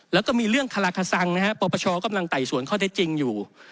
แล้วก็มีเรื่องคาราคสังนะฮะปปชกำลังไต่สวนข้อเท็จจริงอยู่